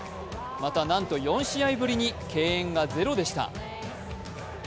また、なんと４試合ぶりに敬遠がゼロでした。